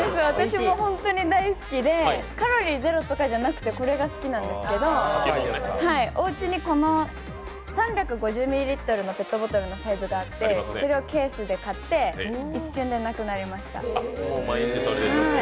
私もホントに大好きでカロリーゼロとかじゃなくてこれが大好きなんですけどおうちに３５０ミリリットルのペットボトルのサイズがあって、それをケースで買って、一瞬でなくなりました。